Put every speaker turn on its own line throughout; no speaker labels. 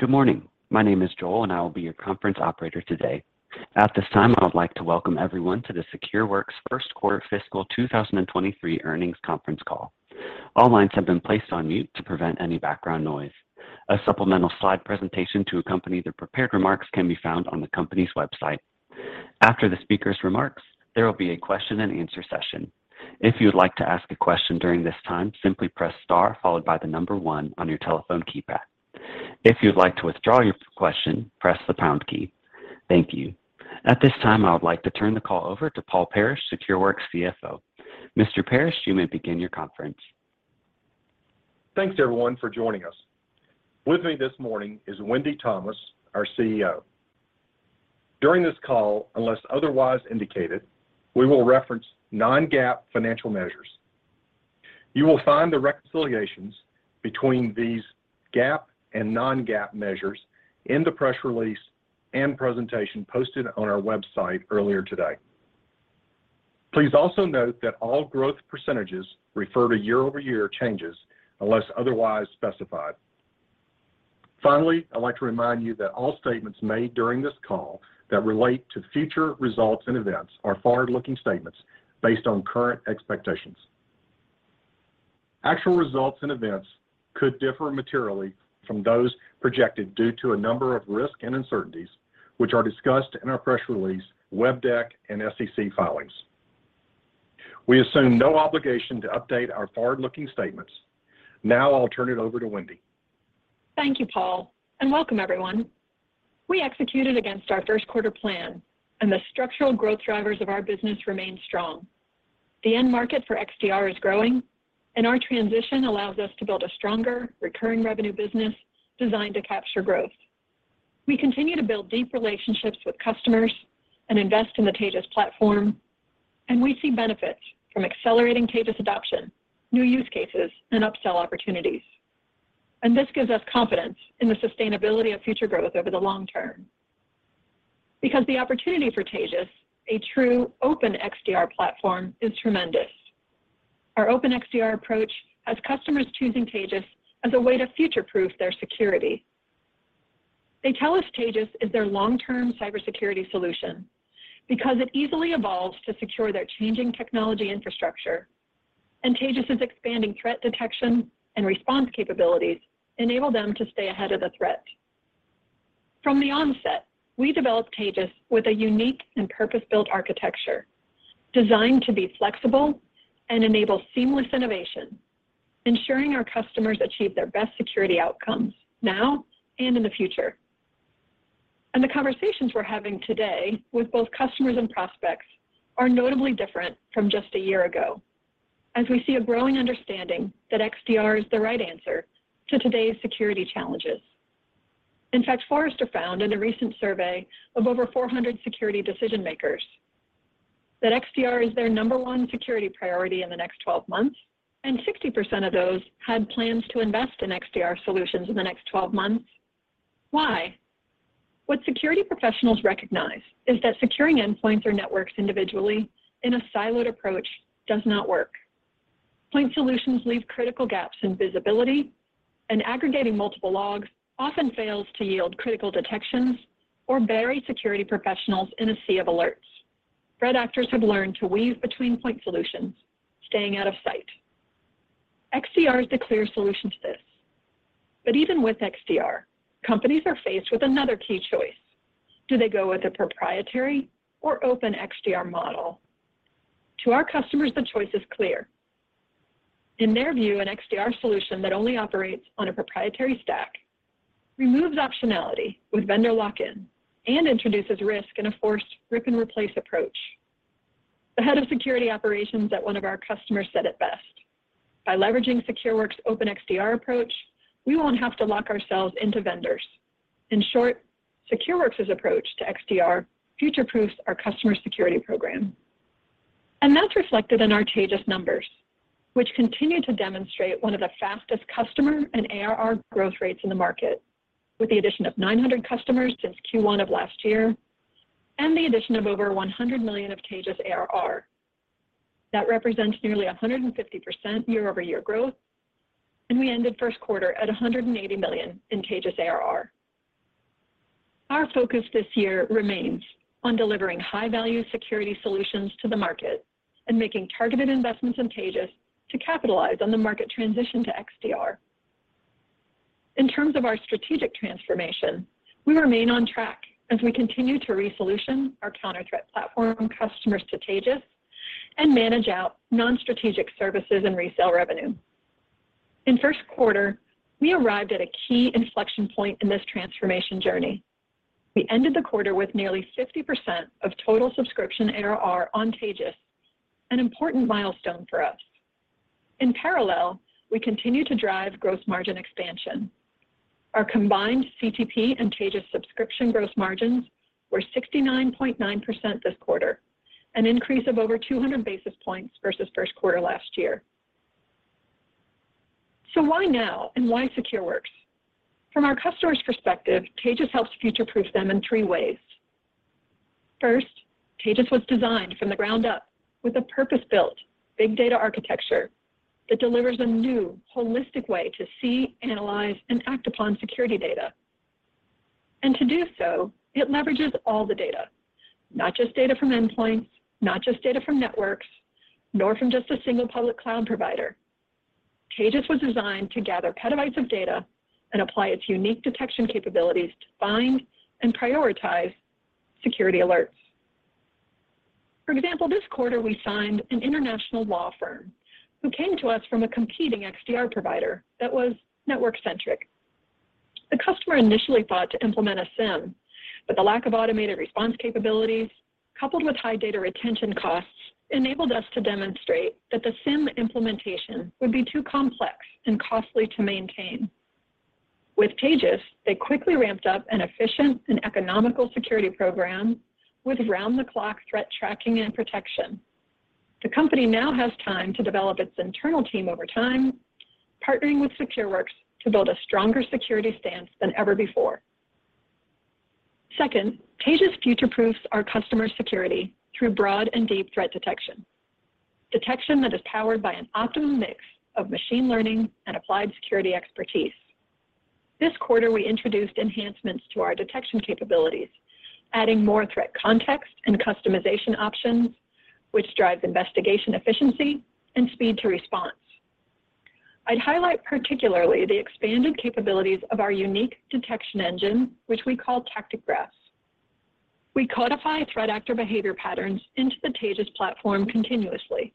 Good morning. My name is Joel, and I will be your conference operator today. At this time, I would like to welcome everyone to the Secureworks first quarter fiscal 2023 earnings conference call. All lines have been placed on mute to prevent any background noise. A supplemental slide presentation to accompany the prepared remarks can be found on the company's website. After the speaker's remarks, there will be a question and answer session. If you would like to ask a question during this time, simply press star followed by one on your telephone keypad. If you'd like to withdraw your question, press the pound key. Thank you. At this time, I would like to turn the call over to Paul Parrish, Secures CFO. Mr. Parrish, you may begin your conference.
Thanks, everyone, for joining us. With me this morning is Wendy Thomas, our CEO. During this call, unless otherwise indicated, we will reference non-GAAP financial measures. You will find the reconciliations between these GAAP and non-GAAP measures in the press release and presentation posted on our website earlier today. Please also note that all growth percentages refer to year-over-year changes unless otherwise specified. Finally, I'd like to remind you that all statements made during this call that relate to future results and events are forward-looking statements based on current expectations. Actual results and events could differ materially from those projected due to a number of risks and uncertainties, which are discussed in our press release, 10-K, and SEC filings. We assume no obligation to update our forward-looking statements. Now I'll turn it over to Wendy.
Thank you, Paul, and welcome everyone. We executed against our first quarter plan, and the structural growth drivers of our business remain strong. The end market for XDR is growing, and our transition allows us to build a stronger, recurring revenue business designed to capture growth. We continue to build deep relationships with customers and invest in the Taegis platform, and we see benefits from accelerating Taegis adoption, new use cases, and upsell opportunities. This gives us confidence in the sustainability of future growth over the long term. The opportunity for Taegis, a true open XDR platform, is tremendous. Our open XDR approach has customers choosing Taegis as a way to future-proof their security. They tell us Taegis is their long-term cybersecurity solution because it easily evolves to secure their changing technology infrastructure, and Taegis' expanding threat detection and response capabilities enable them to stay ahead of the threat. From the onset, we developed Taegis with a unique and purpose-built architecture designed to be flexible and enable seamless innovation, ensuring our customers achieve their best security outcomes now and in the future. The conversations we're having today with both customers and prospects are notably different from just a year ago, as we see a growing understanding that XDR is the right answer to today's security challenges. In fact, Forrester found in a recent survey of over 400 security decision-makers that XDR is their number one security priority in the next twelve months, and 60% of those had plans to invest in XDR solutions in the next twelve months. Why? What security professionals recognize is that securing endpoints or networks individually in a siloed approach does not work. Point solutions leave critical gaps in visibility, and aggregating multiple logs often fails to yield critical detections or bury security professionals in a sea of alerts. Threat actors have learned to weave between point solutions, staying out of sight. XDR is the clear solution to this. Even with XDR, companies are faced with another key choice. Do they go with a proprietary or open XDR model? To our customers, the choice is clear. In their view, an XDR solution that only operates on a proprietary stack removes optionality with vendor lock-in and introduces risk in a forced rip-and-replace approach. The head of security operations at one of our customers said it best. "By leveraging Secures' open XDR approach, we won't have to lock ourselves into vendors. In short, Secures' approach to XDR future-proofs our customer security program." That's reflected in our Taegis numbers, which continue to demonstrate one of the fastest customer and ARR growth rates in the market, with the addition of 900 customers since Q1 of last year and the addition of over $100 million of Taegis ARR. That represents nearly 150% year-over-year growth, and we ended first quarter at $180 million in Taegis ARR. Our focus this year remains on delivering high-value security solutions to the market and making targeted investments in Taegis to capitalize on the market transition to XDR. In terms of our strategic transformation, we remain on track as we continue to transition our Counter Threat Platform customers to Taegis and manage out non-strategic services and resale revenue. In first quarter, we arrived at a key inflection point in this transformation journey. We ended the quarter with nearly 50% of total subscription ARR on Taegis, an important milestone for us. In parallel, we continue to drive gross margin expansion. Our combined CTP and Taegis subscription gross margins were 69.9% this quarter, an increase of over 200 basis points versus first quarter last year. Why now, and why Secures? From our customers' perspective, Taegis helps future-proof them in three ways. First, Taegis was designed from the ground up with a purpose-built big data architecture that delivers a new holistic way to see, analyze, and act upon security data. And to do so, it leverages all the data, not just data from endpoints, not just data from networks, nor from just a single public cloud provider. Taegis was designed to gather petabytes of data and apply its unique detection capabilities to find and prioritize security alerts. For example, this quarter we signed an international law firm who came to us from a competing XDR provider that was network-centric. The customer initially thought to implement a SIEM, but the lack of automated response capabilities, coupled with high data retention costs, enabled us to demonstrate that the SIEM implementation would be too complex and costly to maintain. With Taegis, they quickly ramped up an efficient and economical security program with round-the-clock threat tracking and protection. The company now has time to develop its internal team over time, partnering with Secures to build a stronger security stance than ever before. Second, Taegis future-proofs our customers security through broad and deep threat detection that is powered by an optimum mix of machine learning and applied security expertise. This quarter, we introduced enhancements to our detection capabilities, adding more threat context and customization options, which drives investigation efficiency and speed to response. I'd highlight particularly the expanded capabilities of our unique detection engine, which we call Tactic Graph. We codify threat actor behavior patterns into the Taegis platform continuously.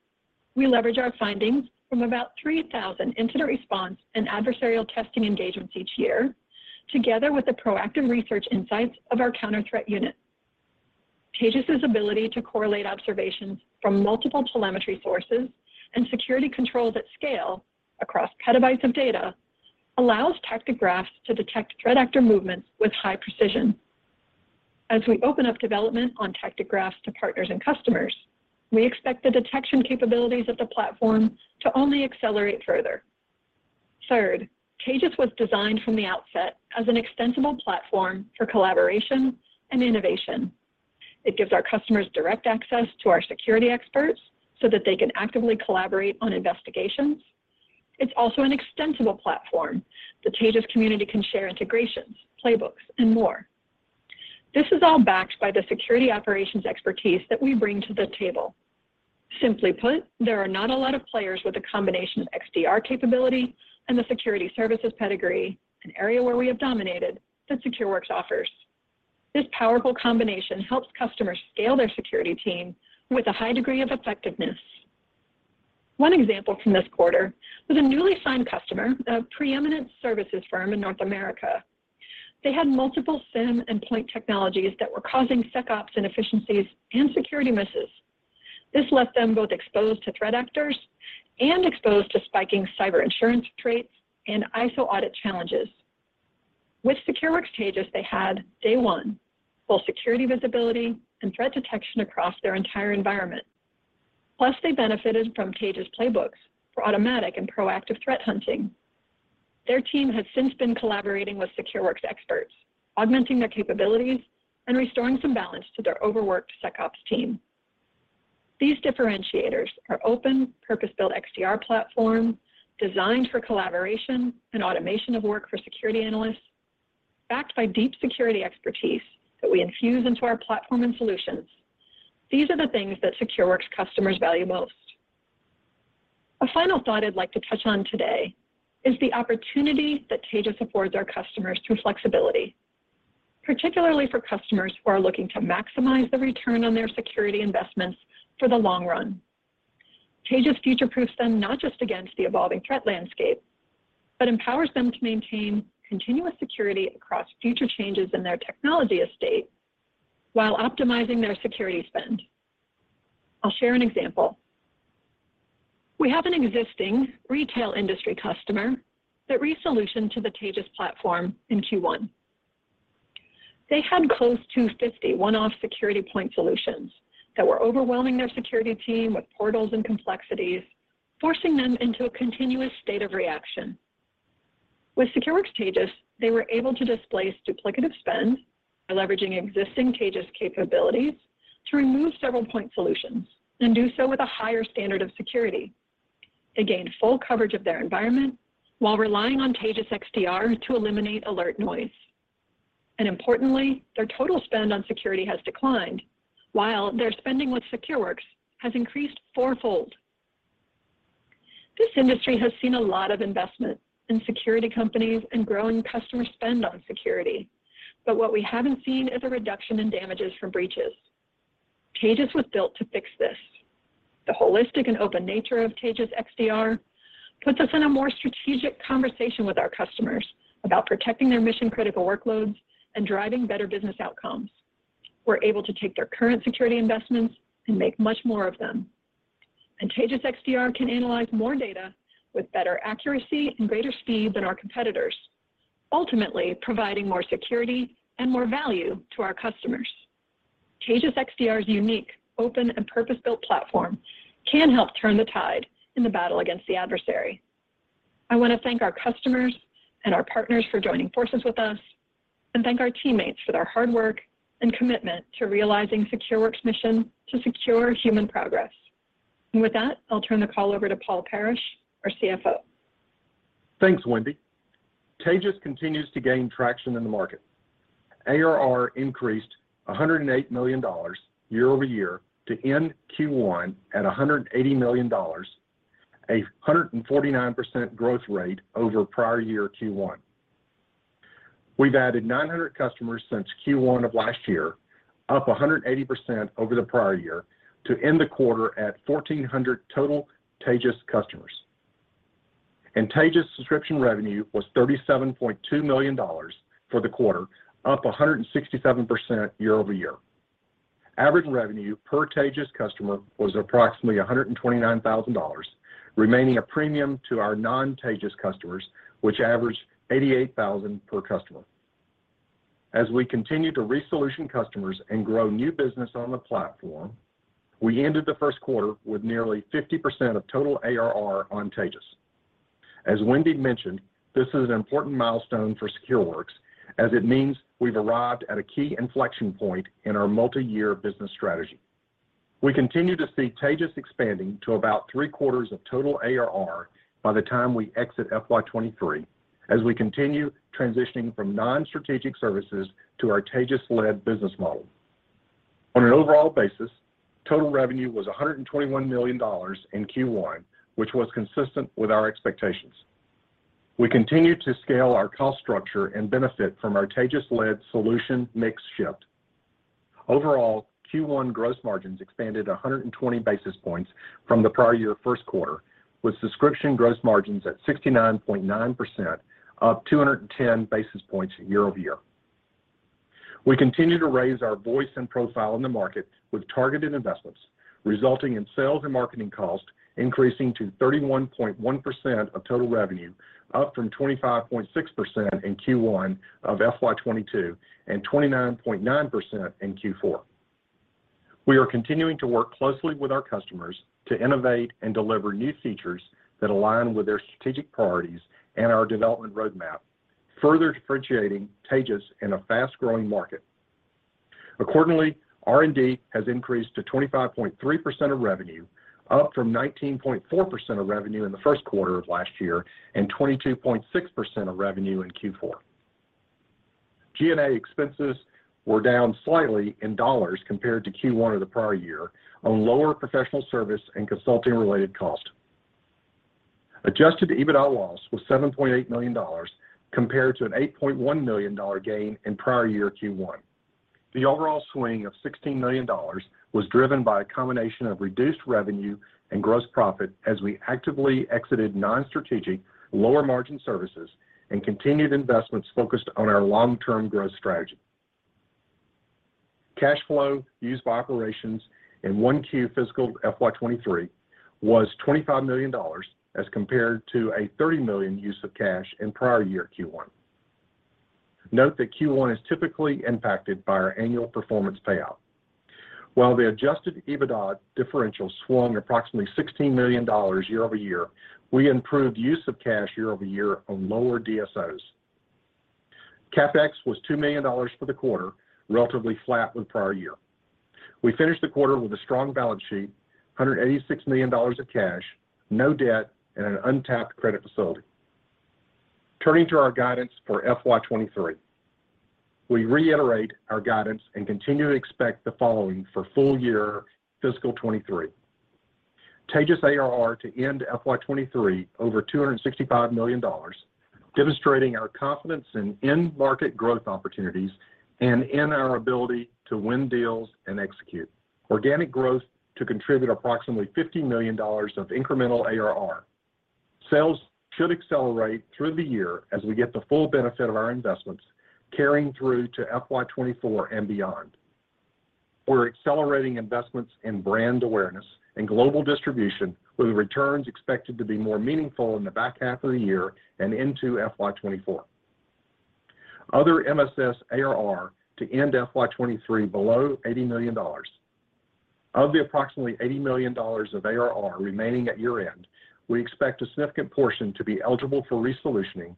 We leverage our findings from about 3,000 incident response and adversarial testing engagements each year, together with the proactive research insights of our Counter Threat Unit. Taegis' ability to correlate observations from multiple telemetry sources and security controls at scale across petabytes of data allows Tactic Graph to detect threat actor movements with high precision. As we open up development on Tactic Graph to partners and customers, we expect the detection capabilities of the platform to only accelerate further. Third, Taegis was designed from the outset as an extensible platform for collaboration and innovation. It gives our customers direct access to our security experts so that they can actively collaborate on investigations. It's also an extensible platform. The Taegis community can share integrations, playbooks, and more. This is all backed by the security operations expertise that we bring to the table. Simply put, there are not a lot of players with a combination of XDR capability and the security services pedigree, an area where we have dominated, that Secures offers. This powerful combination helps customers scale their security team with a high degree of effectiveness. One example from this quarter was a newly signed customer, a preeminent services firm in North America. They had multiple SIEM and point technologies that were causing SecOps inefficiencies and security misses. This left them both exposed to threat actors and exposed to spiking cyber insurance rates and ISO audit challenges. With Secures Taegis, they had day one full security visibility and threat detection across their entire environment. Plus, they benefited from Taegis playbooks for automatic and proactive threat hunting. Their team has since been collaborating with Secures experts, augmenting their capabilities and restoring some balance to their overworked SecOps team. These differentiators are open purpose-built XDR platform designed for collaboration and automation of work for security analysts, backed by deep security expertise that we infuse into our platform and solutions. These are the things that Secures customers value most. A final thought I'd like to touch on today is the opportunity that Taegis affords our customers through flexibility, particularly for customers who are looking to maximize the return on their security investments for the long run. Taegis future-proofs them not just against the evolving threat landscape, but empowers them to maintain continuous security across future changes in their technology estate while optimizing their security spend. I'll share an example. We have an existing retail industry customer that re-sourced to the Taegis platform in Q1. They had close to 50 one-off security point solutions that were overwhelming their security team with portals and complexities, forcing them into a continuous state of reaction. With Secures Taegis, they were able to displace duplicative spend by leveraging existing Taegis capabilities to remove several point solutions and do so with a higher standard of security. They gained full coverage of their environment while relying on Taegis XDR to eliminate alert noise. Importantly, their total spend on security has declined while their spending with Secures has increased fourfold. This industry has seen a lot of investment in security companies and growing customer spend on security. What we haven't seen is a reduction in damages from breaches. Taegis was built to fix this. The holistic and open nature of Taegis XDR puts us in a more strategic conversation with our customers about protecting their mission-critical workloads and driving better business outcomes. We're able to take their current security investments and make much more of them. Taegis XDR can analyze more data with better accuracy and greater speed than our competitors, ultimately providing more security and more value to our customers. Taegis XDR's unique, open, and purpose-built platform can help turn the tide in the battle against the adversary. I want to thank our customers and our partners for joining forces with us, and thank our teammates for their hard work and commitment to realizing Secures' mission to secure human progress. With that, I'll turn the call over to Paul Parrish, our CFO.
Thanks, Wendy. Taegis continues to gain traction in the market. ARR increased $108 million year-over-year to end Q1 at $180 million, 149% growth rate over prior year Q1. We've added 900 customers since Q1 of last year, up 180% over the prior year to end the quarter at 1,400 total Taegis customers. Taegis subscription revenue was $37.2 million for the quarter, up 167% year-over-year. Average revenue per Taegis customer was approximately $129 thousand, remaining a premium to our non-Taegis customers, which averaged $88 thousand per customer. As we continue to re-solution customers and grow new business on the platform, we ended the first quarter with nearly 50% of total ARR on Taegis. As Wendy mentioned, this is an important milestone for Secures as it means we've arrived at a key inflection point in our multi-year business strategy. We continue to see Taegis expanding to about three-quarters of total ARR by the time we exit FY twenty-three as we continue transitioning from non-strategic services to our Taegis-led business model. On an overall basis, total revenue was $121 million in Q1, which was consistent with our expectations. We continue to scale our cost structure and benefit from our Taegis-led solution mix shift. Overall, Q1 gross margins expanded 120 basis points from the prior year first quarter, with subscription gross margins at 69.9%, up 210 basis points year-over-year. We continue to raise our voice and profile in the market with targeted investments, resulting in sales and marketing costs increasing to 31.1% of total revenue, up from 25.6% in Q1 of FY 2022 and 29.9% in Q4. We are continuing to work closely with our customers to innovate and deliver new features that align with their strategic priorities and our development roadmap, further differentiating Taegis in a fast-growing market. Accordingly, R&D has increased to 25.3% of revenue, up from 19.4% of revenue in the first quarter of last year and 22.6% of revenue in Q4. G&A expenses were down slightly in dollars compared to Q1 of the prior year on lower professional service and consulting-related costs. Adjusted EBITDA loss was $7.8 million compared to an $8.1 million dollar gain in prior year Q1. The overall swing of $16 million was driven by a combination of reduced revenue and gross profit as we actively exited non-strategic lower-margin services and continued investments focused on our long-term growth strategy. Cash flow used by operations in 1Q fiscal FY twenty-three was $25 million as compared to a $30 million use of cash in prior year Q1. Note that Q1 is typically impacted by our annual performance payout. While the Adjusted EBITDA differential swung approximately $16 million year-over-year, we improved use of cash year-over-year on lower DSOs. CapEx was $2 million for the quarter, relatively flat with prior year. We finished the quarter with a strong balance sheet, $186 million of cash, no debt, and an untapped credit facility. Turning to our guidance for FY 2023. We reiterate our guidance and continue to expect the following for full year fiscal 2023. Taegis ARR to end FY 2023 over $265 million, demonstrating our confidence in end market growth opportunities and in our ability to win deals and execute. Organic growth to contribute approximately $50 million of incremental ARR. Sales should accelerate through the year as we get the full benefit of our investments carrying through to FY 2024 and beyond. We're accelerating investments in brand awareness and global distribution, with returns expected to be more meaningful in the back half of the year and into FY 2024. Other MSS ARR to end FY 2023 below $80 million. Of the approximately $80 million of ARR remaining at year-end, we expect a significant portion to be eligible for re-platforming,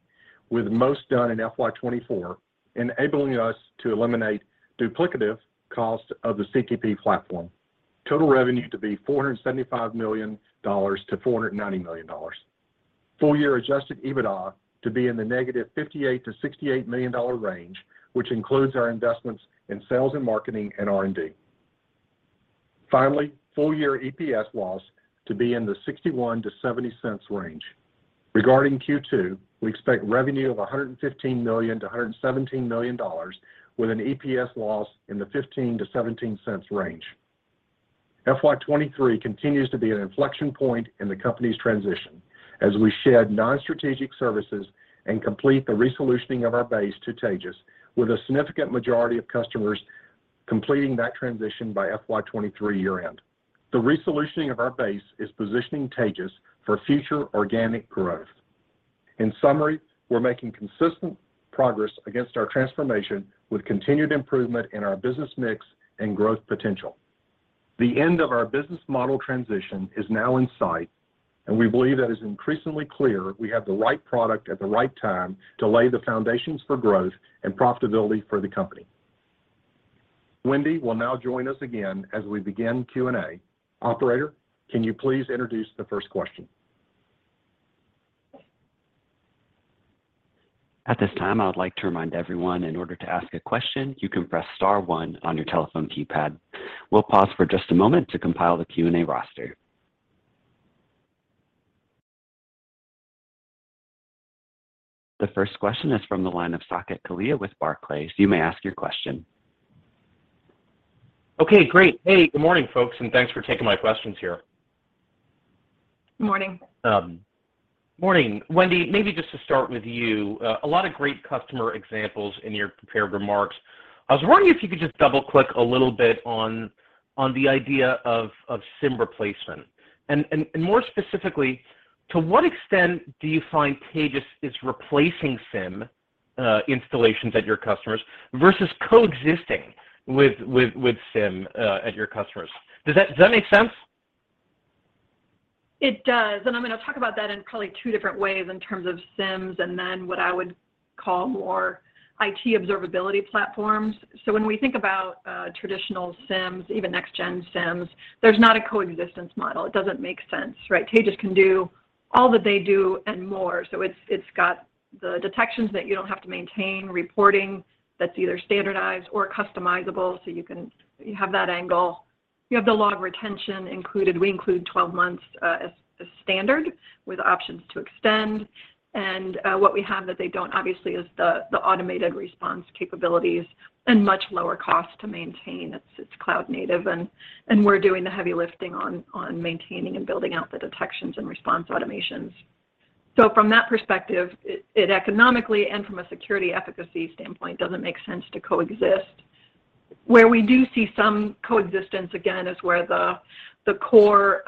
with most done in FY 2024, enabling us to eliminate duplicative cost of the CTP platform. Total revenue to be $475 million-$490 million. Full year Adjusted EBITDA to be in the -$58 million to -$68 million range, which includes our investments in sales and marketing and R&D. Finally, full year EPS loss to be in the $0.61-$0.70 range. Regarding Q2, we expect revenue of $115 million-$117 million with an EPS loss in the $0.15-$0.17 range. FY 2023 continues to be an inflection point in the company's transition as we shed non-strategic services and complete the re-solutioning of our base to Taegis, with a significant majority of customers completing that transition by FY 2023 year-end. The re-solutioning of our base is positioning Taegis for future organic growth. In summary, we're making consistent progress against our transformation with continued improvement in our business mix and growth potential. The end of our business model transition is now in sight, and we believe that it's increasingly clear we have the right product at the right time to lay the foundations for growth and profitability for the company. Wendy will now join us again as we begin Q&A. Operator, can you please introduce the first question?
At this time, I would like to remind everyone in order to ask a question, you can press star one on your telephone keypad. We'll pause for just a moment to compile the Q&A roster. The first question is from the line of Saket Kalia with Barclays. You may ask your question.
Okay. Great. Hey, good morning, folks, and thanks for taking my questions here.
Good morning.
Morning. Wendy, maybe just to start with you. A lot of great customer examples in your prepared remarks. I was wondering if you could just double-click a little bit on the idea of SIEM replacement. More specifically, to what extent do you find Taegis is replacing SIEM installations at your customers versus coexisting with SIEM at your customers? Does that make sense?
It does, and I'm gonna talk about that in probably two different ways in terms of SIEMs and then what I would call more IT observability platforms. When we think about traditional SIEMs, even next-gen SIEMs, there's not a coexistence model. It doesn't make sense, right? Taegis can do all that they do and more. It's got the detections that you don't have to maintain, reporting that's either standardized or customizable, so you can have that angle. You have the log retention included. We include 12 months as standard with options to extend. What we have that they don't, obviously, is the automated response capabilities and much lower cost to maintain. It's cloud-native, and we're doing the heavy lifting on maintaining and building out the detections and response automations. From that perspective, it economically and from a security efficacy standpoint doesn't make sense to coexist. Where we do see some coexistence, again, is where the core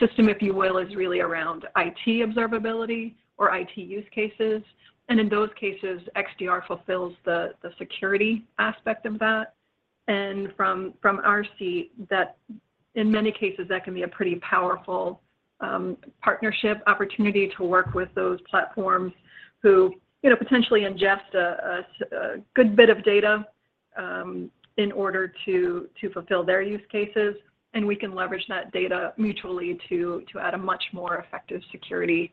system, if you will, is really around IT observability or IT use cases. In those cases, XDR fulfills the security aspect of that. From our seat, that in many cases can be a pretty powerful partnership opportunity to work with those platforms who, you know, potentially ingest a good bit of data in order to fulfill their use cases, and we can leverage that data mutually to add a much more effective security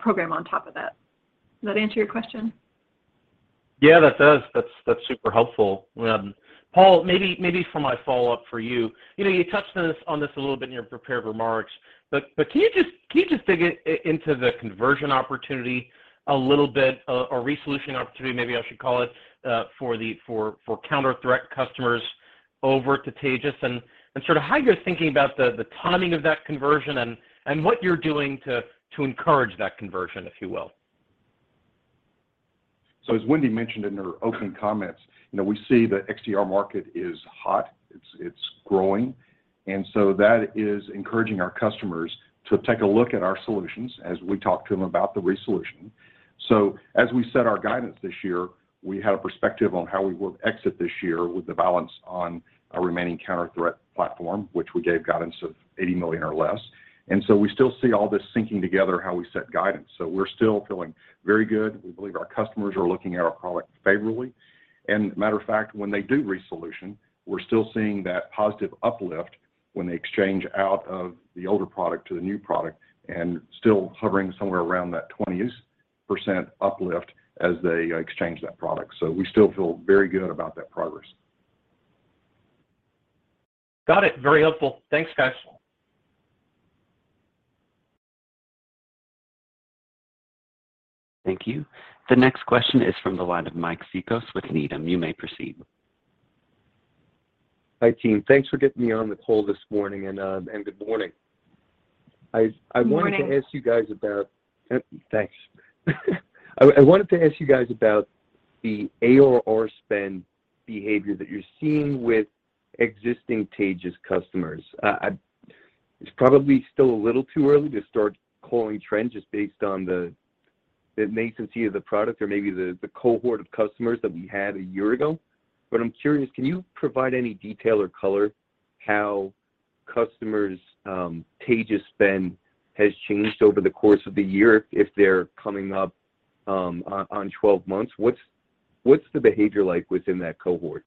program on top of that. Does that answer your question?
Yeah. That does. That's super helpful. Paul, maybe for my follow-up for you. You know, you touched on this a little bit in your prepared remarks, but can you just dig into the conversion opportunity a little bit, or resolution opportunity, maybe I should call it, for Counter Threat customers over to Taegis and sort of how you're thinking about the timing of that conversion and what you're doing to encourage that conversion, if you will?
As Wendy mentioned in her opening comments, you know, we see the XDR market is hot. It's growing. That is encouraging our customers to take a look at our solutions as we talk to them about the resolution. As we set our guidance this year, we had a perspective on how we would exit this year with the balance on our remaining Counter Threat Platform, which we gave guidance of $80 million or less. We still see all this syncing together how we set guidance. We're still feeling very good. We believe our customers are looking at our product favorably. Matter of fact, when they do resolution, we're still seeing that positive uplift when they exchange out of the older product to the new product and still hovering somewhere around that 20% uplift as they exchange that product. We still feel very good about that progress.
Got it. Very helpful. Thanks, guys.
Thank you. The next question is from the line of Mike Cikos with Needham. You may proceed.
Hi, team. Thanks for getting me on the call this morning, and good morning.
Morning.
I wanted to ask you guys about the ARR or spend behavior that you're seeing with existing Taegis customers. It's probably still a little too early to start calling trends just based on the latency of the product or maybe the cohort of customers that we had a year ago. I'm curious, can you provide any detail or color on how customers' Taegis spend has changed over the course of the year if they're coming up on 12 months? What's the behavior like within that cohort?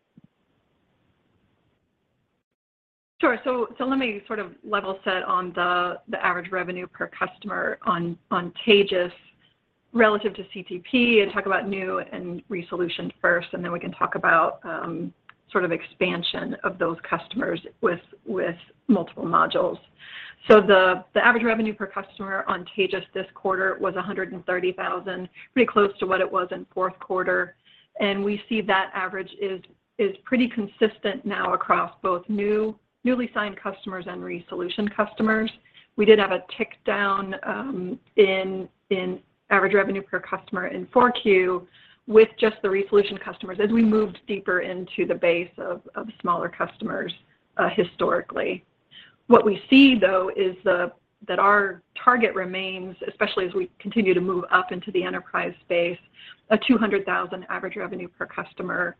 Sure. Let me sort of level set on the average revenue per customer on Taegis relative to CTP and talk about new and resolution first, and then we can talk about sort of expansion of those customers with multiple modules. The average revenue per customer on Taegis this quarter was $130,000, pretty close to what it was in fourth quarter. We see that average is pretty consistent now across both new, newly signed customers and resolution customers. We did have a tick down in average revenue per customer in 4Q with just the resolution customers as we moved deeper into the base of smaller customers historically. What we see though is that our target remains, especially as we continue to move up into the enterprise space, a $200,000 average revenue per customer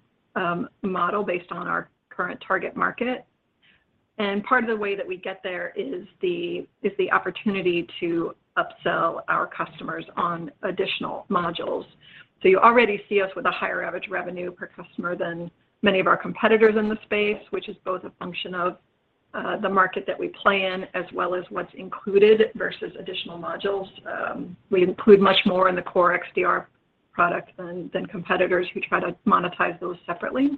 model based on our current target market. Part of the way that we get there is the opportunity to upsell our customers on additional modules. You already see us with a higher average revenue per customer than many of our competitors in the space, which is both a function of the market that we play in, as well as what's included versus additional modules. We include much more in the core XDR product than competitors who try to monetize those separately.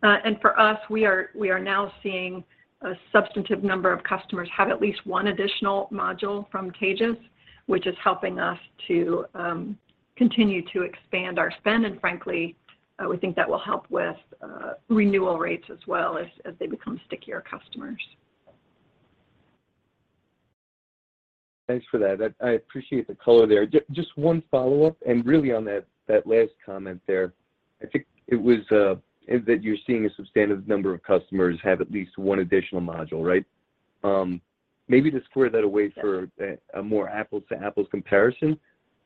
For us, we are now seeing a substantive number of customers have at least one additional module from Taegis, which is helping us to continue to expand our spend, and frankly, we think that will help with renewal rates as well as they become stickier customers.
Thanks for that. I appreciate the color there. Just one follow-up, really on that last comment there. I think it was that you're seeing a substantive number of customers have at least one additional module, right? Maybe to square that away for
Yes
a more apples-to-apples comparison,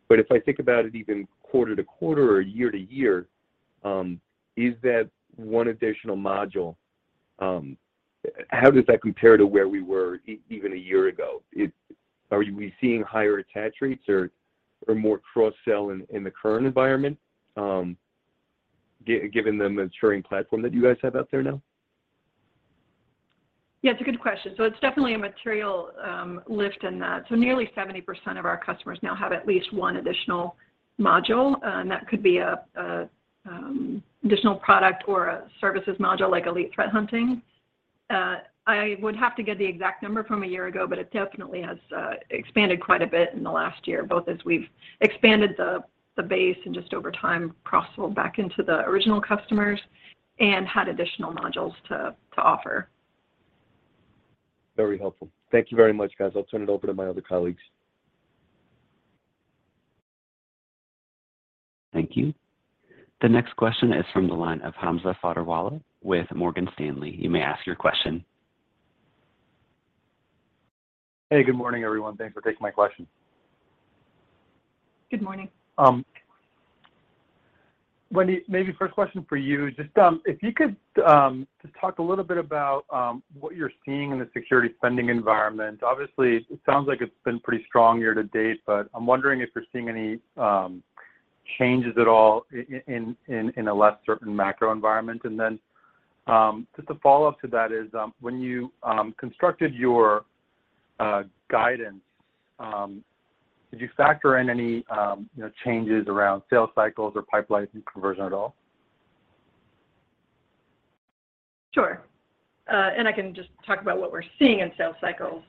but if I think about it even quarter-over-quarter or year-over-year, is that one additional module? How does that compare to where we were even a year ago? Are we seeing higher attach rates or more cross-sell in the current environment, given the maturing platform that you guys have out there now?
Yeah, it's a good question. It's definitely a material lift in that. Nearly 70% of our customers now have at least one additional module, and that could be a additional product or a services module like Elite Threat Hunting. I would have to get the exact number from a year ago, but it definitely has expanded quite a bit in the last year, both as we've expanded the base and just over time cross-sold back into the original customers and had additional modules to offer.
Very helpful. Thank you very much, guys. I'll turn it over to my other colleagues.
Thank you. The next question is from the line of Hamza Fodderwala with Morgan Stanley. You may ask your question.
Hey, good morning, everyone. Thanks for taking my question.
Good morning.
Wendy, maybe first question for you. Just, if you could, just talk a little bit about what you're seeing in the security spending environment. Obviously, it sounds like it's been pretty strong year to date, but I'm wondering if you're seeing any changes at all in a less certain macro environment. Then, just a follow-up to that is, when you constructed your guidance, did you factor in any, you know, changes around sales cycles or pipeline conversion at all?
Sure. I can just talk about what we're seeing in sales cycles,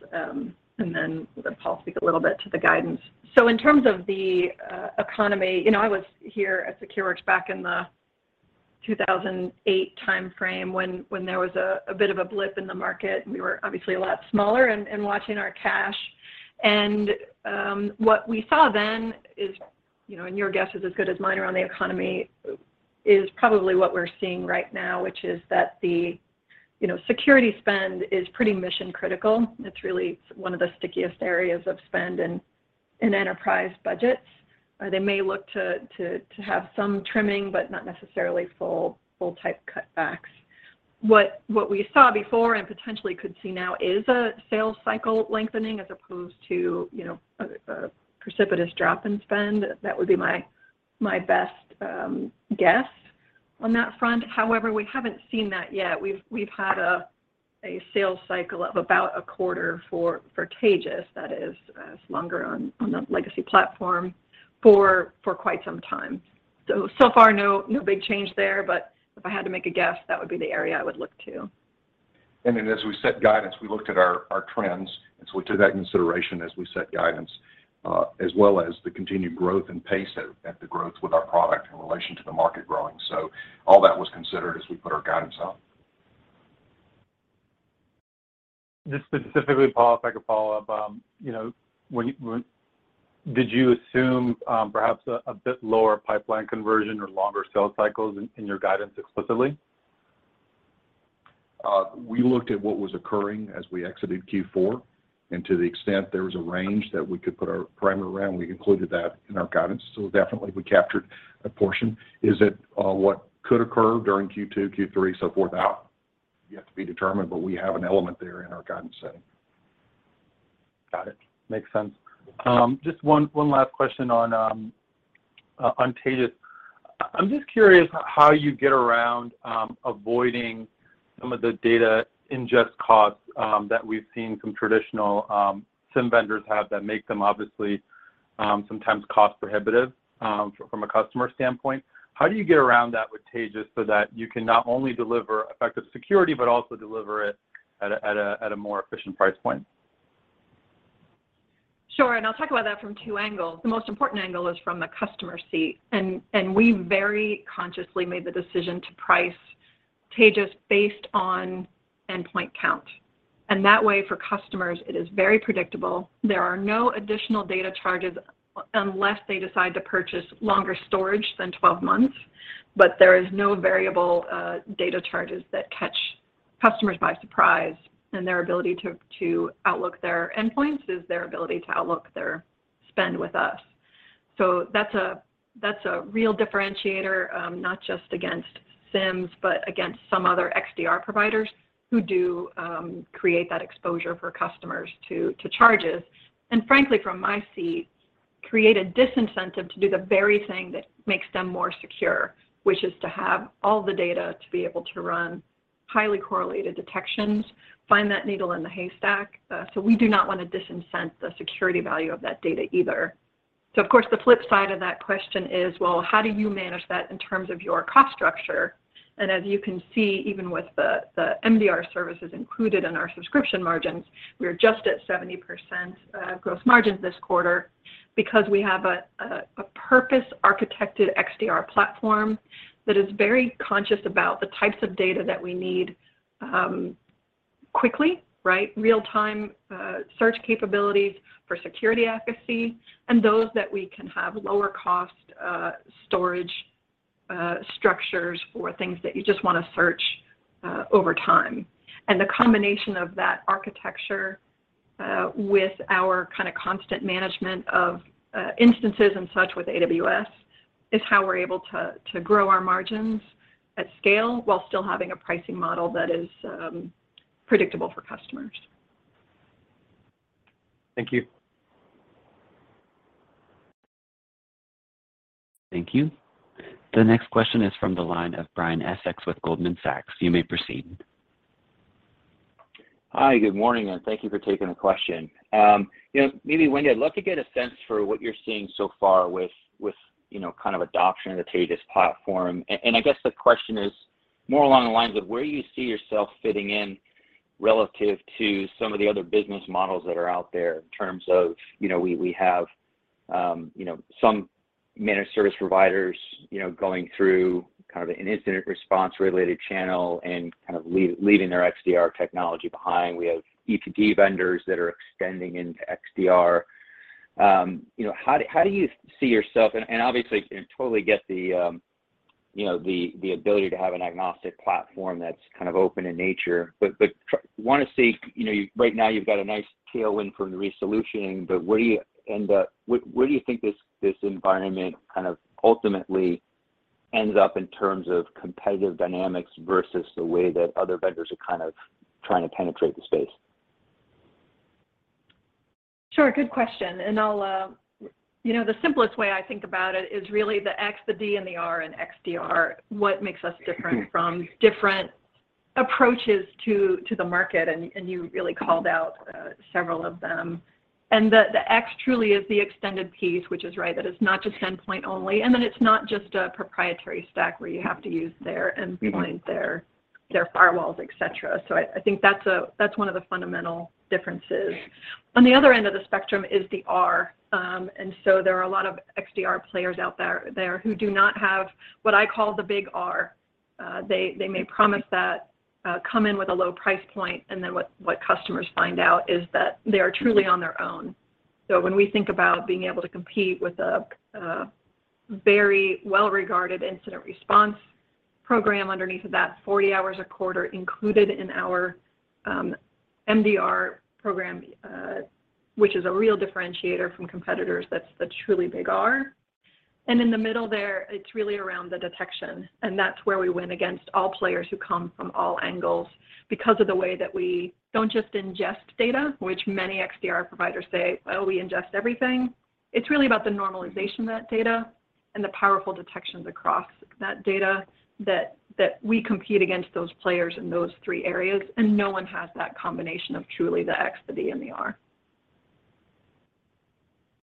and then let Paul speak a little bit to the guidance. In terms of the economy, you know, I was here at Secures back in the 2008 time frame when there was a bit of a blip in the market. We were obviously a lot smaller and watching our cash. What we saw then is, you know, and your guess is as good as mine around the economy, is probably what we're seeing right now, which is that the, you know, security spend is pretty mission-critical. It's really one of the stickiest areas of spend in enterprise budgets. They may look to have some trimming, but not necessarily full type cutbacks. What we saw before and potentially could see now is a sales cycle lengthening as opposed to, you know, a precipitous drop in spend. That would be my best guess on that front. However, we haven't seen that yet. We've had a sales cycle of about a quarter for Taegis, that is, longer on the legacy platform for quite some time. So far, no big change there, but if I had to make a guess, that would be the area I would look to.
As we set guidance, we looked at our trends, and we took that into consideration as we set guidance, as well as the continued growth and pace at the growth with our product in relation to the market growing. All that was considered as we put our guidance out.
Just specifically, Paul, if I could follow up, you know, did you assume perhaps a bit lower pipeline conversion or longer sales cycles in your guidance explicitly?
We looked at what was occurring as we exited Q4. To the extent there was a range that we could put our parameter around, we included that in our guidance. Definitely we captured a portion. Is it what could occur during Q2, Q3, so forth out? Yet to be determined, but we have an element there in our guidance setting.
Got it. Makes sense. Just one last question on Taegis. I'm just curious how you get around avoiding some of the data ingest costs that we've seen some traditional SIEM vendors have that make them obviously sometimes cost prohibitive from a customer standpoint. How do you get around that with Taegis so that you can not only deliver effective security, but also deliver it at a more efficient price point?
Sure. I'll talk about that from two angles. The most important angle is from the customer seat. We very consciously made the decision to price Taegis based on endpoint count. That way for customers, it is very predictable. There are no additional data charges unless they decide to purchase longer storage than 12 months. But there is no variable data charges that catch customers by surprise, and their ability to outlook their endpoints is their ability to outlook their spend with us. That's a real differentiator, not just against SIEMs, but against some other XDR providers who do create that exposure for customers to charges. Frankly, from my seat, create a disincentive to do the very thing that makes them more secure, which is to have all the data to be able to run highly correlated detections, find that needle in the haystack. We do not want to disincent the security value of that data either. Of course, the flip side of that question is, well, how do you manage that in terms of your cost structure? As you can see, even with the MDR services included in our subscription margins, we are just at 70% gross margins this quarter because we have a purpose-architected XDR platform that is very conscious about the types of data that we need quickly, right? Real-time search capabilities for security efficacy, and those that we can have lower cost storage structures for things that you just wanna search over time. The combination of that architecture with our kind of constant management of instances and such with AWS is how we're able to to grow our margins at scale while still having a pricing model that is predictable for customers.
Thank you.
Thank you. The next question is from the line of Brian Essex with Goldman Sachs. You may proceed.
Hi, good morning, and thank you for taking the question. You know, maybe Wendy, I'd love to get a sense for what you're seeing so far with, you know, kind of adoption of the Taegis platform. And I guess the question is more along the lines of where you see yourself fitting in relative to some of the other business models that are out there in terms of, you know, we have, you know, some managed service providers, you know, going through kind of an incident response-related channel and kind of leading their XDR technology behind. We have EPP vendors that are extending into XDR. You know, how do you see yourself? Obviously, I totally get the, you know, the ability to have an agnostic platform that's kind of open in nature. you know, right now you've got a nice tailwind from the resolution, but where do you end up. Where do you think this environment kind of ultimately ends up in terms of competitive dynamics versus the way that other vendors are kind of trying to penetrate the space?
Sure. Good question. I'll, you know, the simplest way I think about it is really the X, the D, and the R in XDR, what makes us different from different approaches to the market, and you really called out several of them. The X truly is the extended piece, which is right. That is not just endpoint only, and then it's not just a proprietary stack where you have to use their endpoint, their firewalls, et cetera. I think that's one of the fundamental differences. On the other end of the spectrum is the R. There are a lot of XDR players out there who do not have what I call the big R. They may promise that come in with a low price point, and then what customers find out is that they are truly on their own. When we think about being able to compete with a very well-regarded incident response program underneath of that 40 hours a quarter included in our MDR program, which is a real differentiator from competitors, that's the truly big R. In the middle there, it's really around the detection, and that's where we win against all players who come from all angles because of the way that we don't just ingest data, which many XDR providers say, "Well, we ingest everything." It's really about the normalization of that data and the powerful detections across that data that we compete against those players in those three areas, and no one has that combination of truly the X, the D, and the R.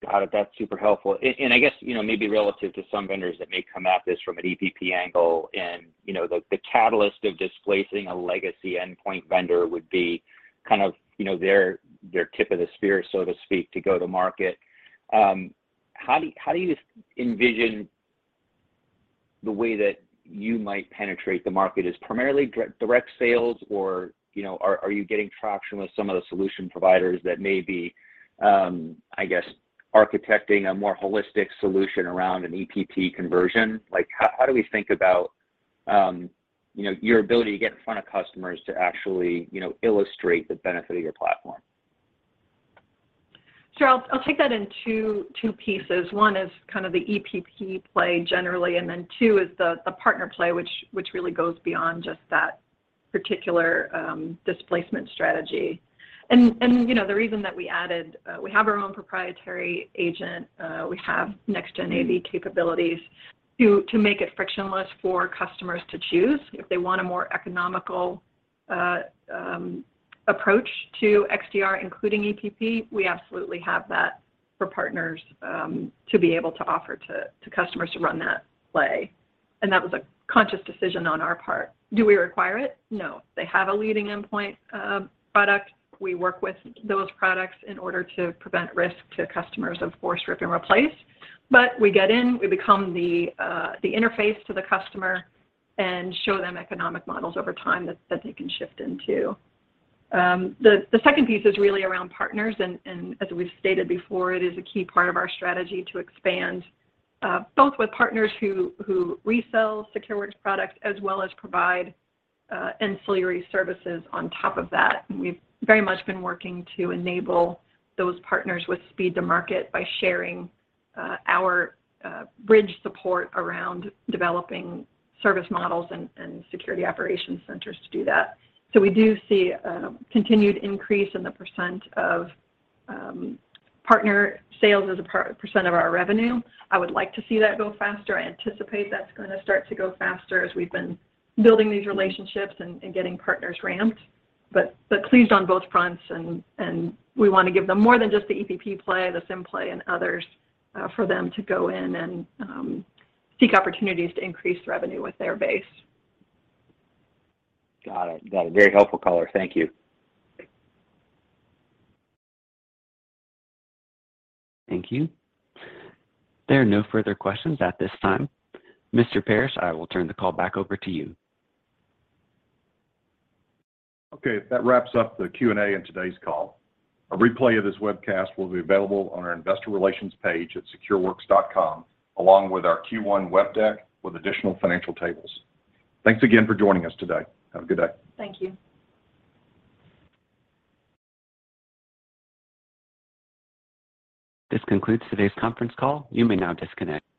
Got it. That's super helpful. I guess, you know, maybe relative to some vendors that may come at this from an EPP angle and, you know, the catalyst of displacing a legacy endpoint vendor would be kind of, you know, their tip of the spear, so to speak, to go to market. How do you envision the way that you might penetrate the market as primarily direct sales or, you know, are you getting traction with some of the solution providers that may be, I guess architecting a more holistic solution around an EPP conversion? Like, how do we think about, you know, your ability to get in front of customers to actually, you know, illustrate the benefit of your platform?
Sure. I'll take that in two pieces. One is kind of the EPP play generally, and then two is the partner play, which really goes beyond just that particular displacement strategy. You know, the reason that we have our own proprietary agent. We have next-gen AV capabilities to make it frictionless for customers to choose. If they want a more economical approach to XDR, including EPP, we absolutely have that for partners to be able to offer to customers who run that play. That was a conscious decision on our part. Do we require it? No. They have a leading endpoint product. We work with those products in order to prevent risk to customers of force rip and replace. We get in, we become the interface to the customer and show them economic models over time that they can shift into. The second piece is really around partners and as we've stated before, it is a key part of our strategy to expand both with partners who resell Secures products, as well as provide ancillary services on top of that. We've very much been working to enable those partners with speed to market by sharing our bridge support around developing service models and security operations centers to do that. We do see continued increase in the percent of partner sales as a percent of our revenue. I would like to see that go faster. I anticipate that's gonna start to go faster as we've been building these relationships and getting partners ramped. Pleased on both fronts and we wanna give them more than just the EPP play, the SIEM play, and others, for them to go in and seek opportunities to increase revenue with their base.
Got it. Got it. Very helpful color. Thank you.
Thank you. There are no further questions at this time. Mr. Parrish, I will turn the call back over to you.
Okay. That wraps up the Q&A in today's call. A replay of this webcast will be available on our investor relations page at secureworks.com, along with our Q1 web deck with additional financial tables. Thanks again for joining us today. Have a good day.
Thank you.
This concludes today's conference call. You may now disconnect.